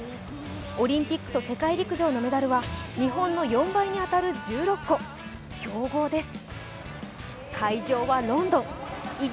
オリンピックと世界陸上のメダルは日本の４倍に当たる１６個強豪です。